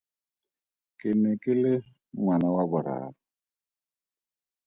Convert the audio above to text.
Ke ne ke le ngwana wa boraro.